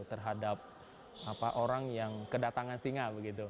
terhadap orang yang kedatangan singa